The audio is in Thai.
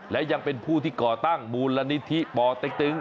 และยังเป็นผู้ที่ก่อตั้งมูลนิธิปเต็กตึง